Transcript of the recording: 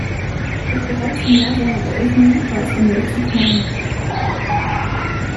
Doch bereits im Jahr seiner Eröffnung war es erneut zu klein.